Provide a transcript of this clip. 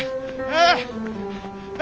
ああ！